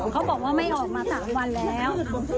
เขาบอกว่าไม่ออกมา๓วันแล้ว